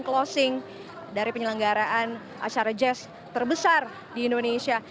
closing dari penyelenggaraan acara jazz terbesar di indonesia